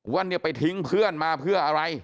ว่าเนี่ยไปทิ้งเพื่อนมาเพื่ออะไร